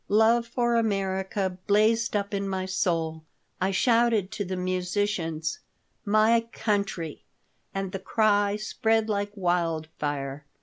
Love for America blazed up in my soul. I shouted to the musicians, "My Country," and the cry spread like wildfire.